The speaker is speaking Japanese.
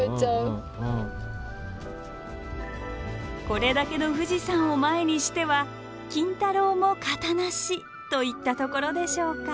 これだけの富士山を前にしては金太郎も形なしといったところでしょうか。